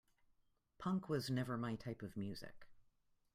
Punk was never my type of music.